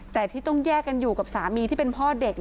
แต่ที่ต้องแยกกันอยู่กับสามีที่เป็นพ่อเด็ก